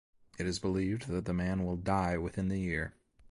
It is believed that the man will die within the year.